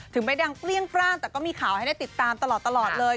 ไม่ดังเปรี้ยงปร่างแต่ก็มีข่าวให้ได้ติดตามตลอดเลย